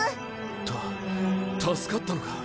た助かったのか。